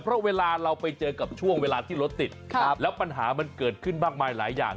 เพราะเวลาเราไปเจอกับช่วงเวลาที่รถติดแล้วปัญหามันเกิดขึ้นมากมายหลายอย่าง